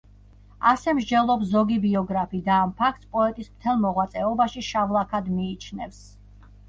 ასე მსჯელობს ზოგი ბიოგრაფი და ამ ფაქტს პოეტის მთელ მოღვაწეობაში შავ ლაქად მიიჩნევს.